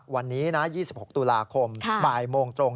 วันนี้นะ๒๖ตุลาคมบ่ายโมงตรง